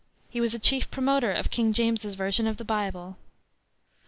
He was a chief promoter of King James's Version of the Bible.